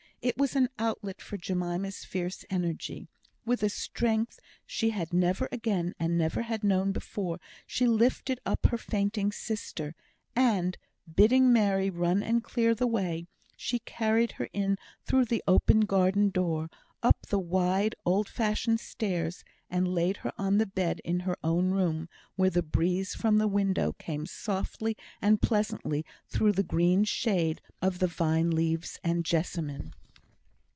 It was an outlet for Jemima's fierce energy. With a strength she had never again, and never had known before, she lifted up her fainting sister, and bidding Mary run and clear the way, she carried her in through the open garden door, up the wide old fashioned stairs, and laid her on the bed in her own room, where the breeze from the window came softly and pleasantly through the green shade of the vine leaves and jessamine.